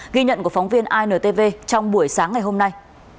ghi nhận của phóng viên intv trong buổi sáng ngày hôm nay